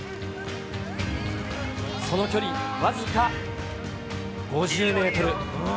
その距離僅か５０メートル。